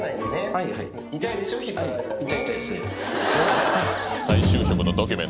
はい痛い痛いです。